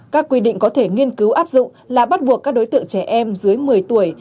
các quy định có thể nghiên cứu áp dụng là bắt buộc các đối tượng trẻ em dưới một mươi tuổi